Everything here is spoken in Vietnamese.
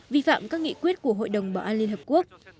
vi phạm các nghị quyết của hội đồng bảo an liên hợp quốc